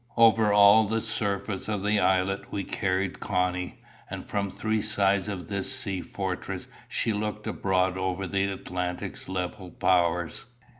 Over all the surface of the islet we carried Connie, and from three sides of this sea fortress she looked abroad over "the Atlantic's level powers."